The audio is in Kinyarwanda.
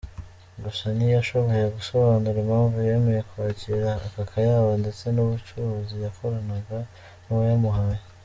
Gusa ntiyashoboye gusobanura impamvu yemeye kwakira aka kayabo ndetse n'ubucuruzi yakoranaga n'uwayamuhaye.